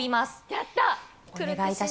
やった。